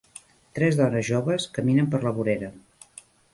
Tres dones joves caminen per la vorera.